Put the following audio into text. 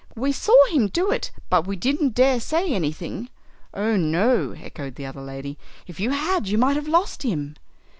We saw him do it, but we didn't dare say anything." "Oh no," echoed the other lady; "if you had you might have lost him."